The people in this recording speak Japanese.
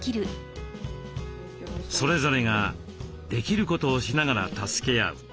それぞれができることをしながら助け合う。